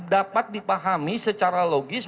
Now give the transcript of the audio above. dapat dipahami secara logis